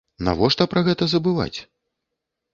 Навошта пра гэта забываць?